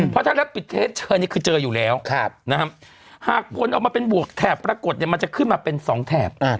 เพราะถ้าแล้วปิดเทสเจอนี่คือเจออยู่แล้วหากผลออกมาเป็นบวกแถบปรากฏเนี่ยมันจะขึ้นมาเป็น๒แถบ